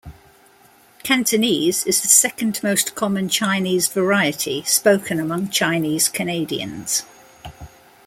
Cantonese is the second most common Chinese variety spoken among Chinese Canadians.